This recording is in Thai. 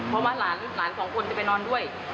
เพราะว่าหลานสองคนจะไปนอนด้วย